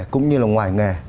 cũng như là ngoài nghề